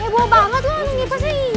eh gue banget lo mau nunggu apa sih